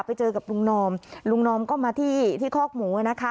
ไปเจอกับลุงนอมลุงนอมก็มาที่ที่คอกหมูอ่ะนะคะ